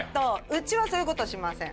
うちはそういうことしません。